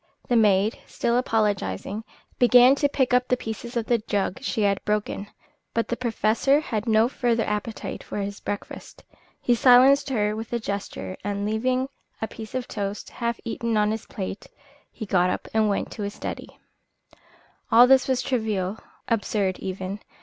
The maid, still apologising, began to pick up the pieces of the jug she had broken; but the Professor had no further appetite for his breakfast. He silenced her with a gesture, and, leaving a piece of toast half eaten on his plate, he got up and went into his study. All this was trivial, absurd even.